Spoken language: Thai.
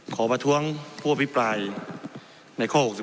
ขอประท้วงชุดอภิปรายในข้อ๖๙